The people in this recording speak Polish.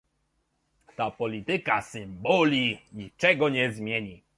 Ta polityka symboli niczego nie zmieni